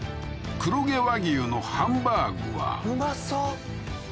黒毛和牛のハンバーグはうまそう